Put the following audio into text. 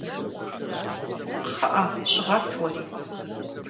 КхъыӀэ, щыгъэт уэри!